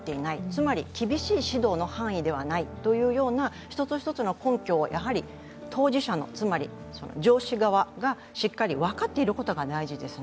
つまり厳しい指導の範囲ではないというような一つ一つの根拠を当事者のつまり上司側がしっかり分かっていることが大事です。